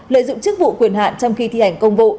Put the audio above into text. lợi dụng chức vụ quyền hạn trong khi thi hành công vụ